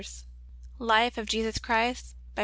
Life of Jesus Christ, by Pr.